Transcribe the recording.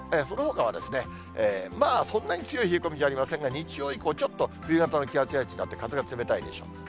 そのほかは、まあ、そんなに強い冷え込みじゃありませんが、日曜以降、ちょっと冬型の気圧配置になって風が冷たいでしょう。